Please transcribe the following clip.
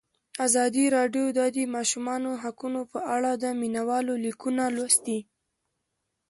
ازادي راډیو د د ماشومانو حقونه په اړه د مینه والو لیکونه لوستي.